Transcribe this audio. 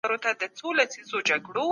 سوسياليستي نظام شخصي ملکيت له منځه وړي.